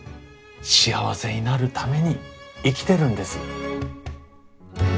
幸せになるために生きてるんです。